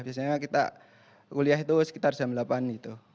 biasanya kita kuliah itu sekitar jam delapan gitu